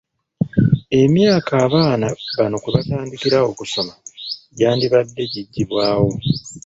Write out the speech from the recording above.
Emyaka abaana bano kwe batandikira okusoma gyandibadde giggibwawo.